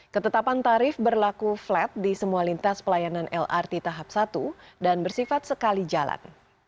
ketetapan tarif berlaku flat di semua lintas pelayanan lrt tahap satu dan bersifat sekali jalan